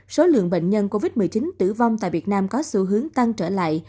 số lượng bệnh nhân covid một mươi chín tử vong tại việt nam có xu hướng tăng trở lại